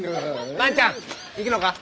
万ちゃん行くのか？